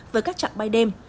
với các trạng bay đêm